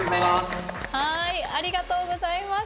ありがとうございます。